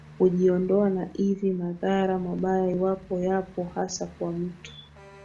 kujiondoa na iv madhara mabaya iwapo yapo hasa kwa mtu